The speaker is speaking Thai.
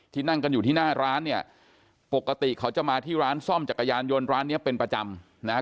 นั่งกันอยู่ที่หน้าร้านเนี่ยปกติเขาจะมาที่ร้านซ่อมจักรยานยนต์ร้านเนี้ยเป็นประจำนะฮะ